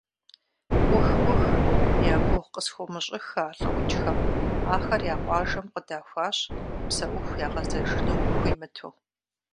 Ӏух! Ӏух! Я гугъу къысхуумыщӀыххэ а лӀыукӀхэм, ахэр я къуажэм къыдахуащ, псэуху ягъэзэжыну хуимыту.